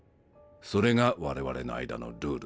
それが我々の間のルールだった。